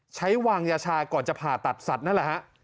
ใช้วางยาชายก่อนจะผ่าตัดสัตว์นั่นแหละฮะ